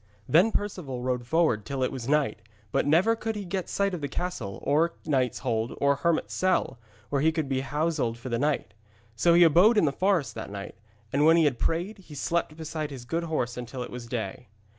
Then Perceval rode forward till it was night; but never could he get sight of castle or knight's hold or hermit's cell where he could be houselled for the night. So he abode in the forest that night, and when he had prayed he slept beside his good horse until it was day.